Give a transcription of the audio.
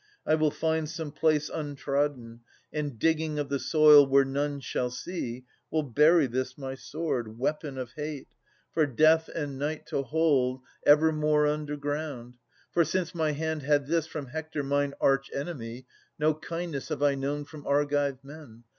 I will find Some place untrodden, and digging of the soil Where none shall see, will bury this my sword, Weapon of hate ! for Death and Night to hold 76 Atas [660 692 Evermore underground. For, since my hand Had this from Hector mine arch enemy, No kindness have I known from Argive men.